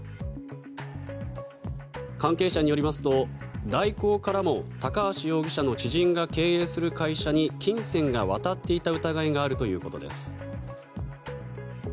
関係者によりますと大広からも高橋容疑者の知人が経営する会社に金銭が渡っていた疑いがあるということです。